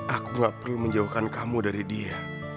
aku gak perlu menjauhkan kamu dari dia